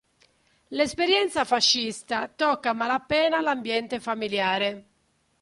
L'esperienza fascista tocca a malapena l'ambiente familiare.